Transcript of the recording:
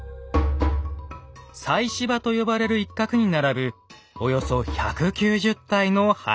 「祭祀場」と呼ばれる一角に並ぶおよそ１９０体の埴輪群。